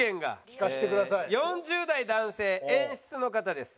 ４０代男性演出の方です。